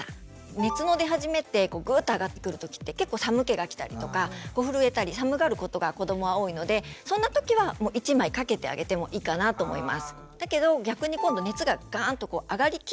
熱の出始めってグーッと上がってくる時って結構寒気がきたりとか震えたり寒がることが子どもは多いのでそんな時は１枚かけてあげてもいいかなと思います。